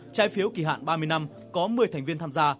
trái phiếu kỳ hạn ba mươi năm có một mươi thành viên tham gia